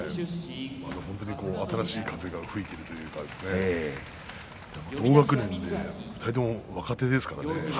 本当に新しい風が吹いてるというか同学年で２人とも若手ですからね。